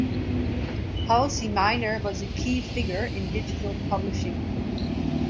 Halsey Minor was a key figure in digital publishing.